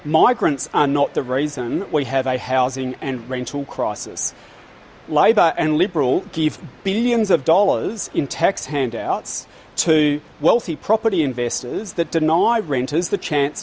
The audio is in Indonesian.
migrasi bukan alasan kita memiliki krisis perumahan dan pengurangan